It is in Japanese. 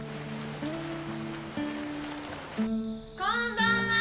こんばんは。